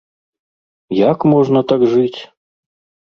Як можна так жыць?